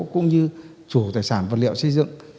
cũng như chủ tài sản vật liệu xây dựng